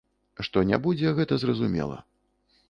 Што не будзе, гэта зразумела.